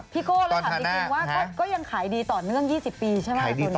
พี่โกแล้วถามอีกครั้งว่าก็ยังขายดีต่อเนื่อง๒๐ปีใช่ไหมครับ